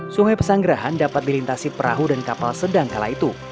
sungai pesanggerahan dapat dilintasi perahu dan kapal sedang kala itu